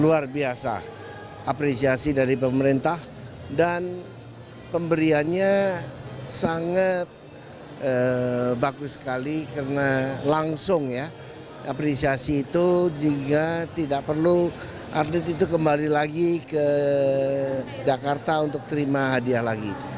luar biasa apresiasi dari pemerintah dan pemberiannya sangat bagus sekali karena langsung ya apresiasi itu jika tidak perlu atlet itu kembali lagi ke jakarta untuk terima hadiah lagi